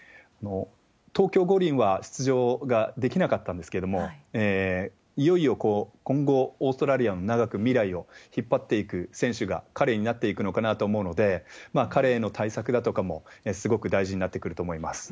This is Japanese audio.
東京五輪は出場ができなかったんですけれども、いよいよ今後、オーストラリアの、長く未来を引っ張っていく選手が彼になっていくのかなと思うので、彼への対策だとかもすごく大事になってくると思います。